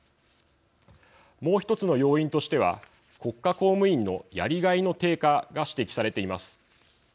もう１つの要因としては国家公務員のやりがいの低下が指摘されています。